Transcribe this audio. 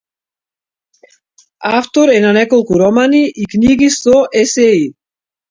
Автор е на неколку романи и книги со есеи.